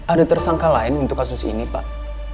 ada tersangka lain untuk kasus ini pak